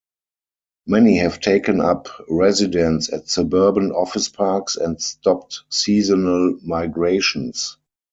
Many have taken up residence at suburban office parks and stopped seasonal migrations.